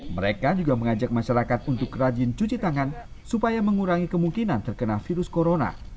mereka juga mengajak masyarakat untuk rajin cuci tangan supaya mengurangi kemungkinan terkena virus corona